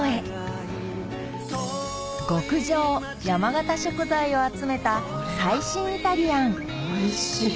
極上山形食材を集めた最新イタリアンおいしい！